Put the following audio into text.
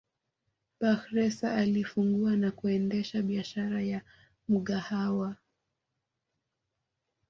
Bakhresa alifungua na kuendesha biashara ya Mgahawa